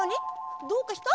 どうかした？